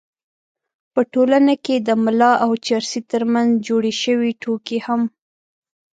په ټولنه کې د ملا او چرسي تر منځ جوړې شوې ټوکې هم